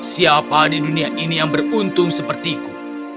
siapa di dunia ini yang beruntung sepertiku